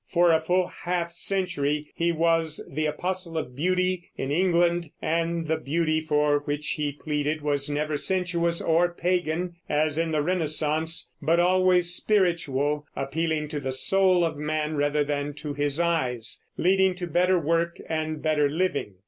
For a full half century he was "the apostle of beauty" in England, and the beauty for which he pleaded was never sensuous or pagan, as in the Renaissance, but always spiritual, appealing to the soul of man rather than to his eyes, leading to better work and better living.